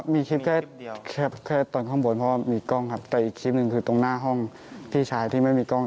มีคลิปแค่ตอนข้างบนเพราะว่ามีกล้องครับแต่อีกคลิปหนึ่งคือตรงหน้าห้องพี่ชายที่ไม่มีกล้อง